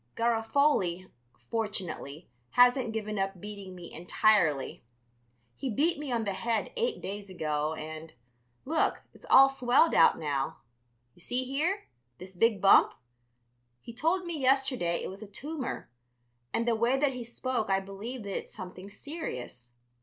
Garofoli, fortunately, hasn't given up beating me entirely. He beat me on the head eight days ago and, look, it's all swelled out now. You see here, this big bump? He told me yesterday it was a tumor, and the way that he spoke I believe that it's something serious.